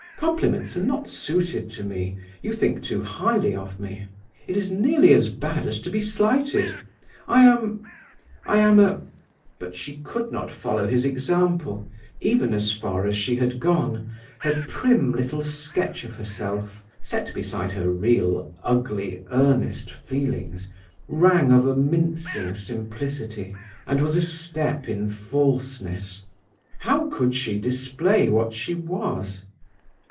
Compliments are not suited to me. You think too highly of me. It is nearly as bad as to be slighted. I am ... I am a ..." But she could not follow his example; even as far as she had gone, her prim little sketch of herself, set beside her real, ugly, earnest feelings, rang of a mincing simplicity, and was a step in falseness. How could she display what she was?